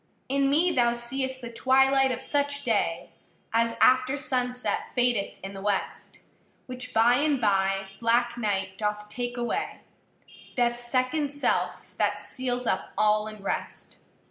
In me thou seeâst the twilight of such day As after sunset fadeth in the west; Which by and by black night doth take away, Deathâs second self, that seals up all in rest.